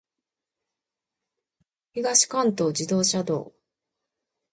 東関東自動車道